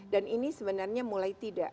dan ini sebenarnya mulai tidak